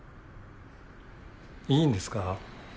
いいんですか？